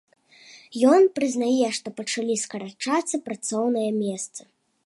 Ён прызнае, што пачалі скарачацца працоўныя месцы.